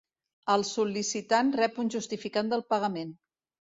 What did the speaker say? El sol·licitant rep un justificant del pagament.